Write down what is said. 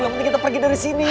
yang penting kita pergi dari sini